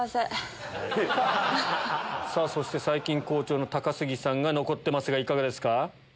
そして最近好調の高杉さんが残ってますがいかがですか？